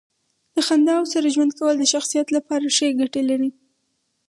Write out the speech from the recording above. د خنداوو سره ژوند کول د شخصیت لپاره ښې ګټې لري.